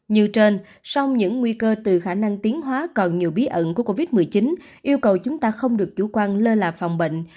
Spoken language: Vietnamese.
như trên sông những nguy cơ từ khả năng tiến hóa còn nhiều bí ẩn của covid một mươi chín yêu cầu chúng ta không được chủ quan lơ là phòng bệnh